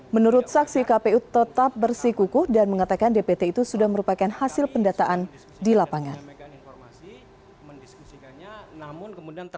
menurut saksi kpu tetap bersikukuh dan mengatakan dpt itu sudah merupakan hasil pendataan di lapangan